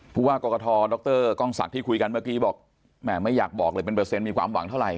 ผู้ว่ากรกฐดรกล้องศักดิ์ที่คุยกันเมื่อกี้บอกแหมไม่อยากบอกเลยเป็นเปอร์เซ็นต์มีความหวังเท่าไห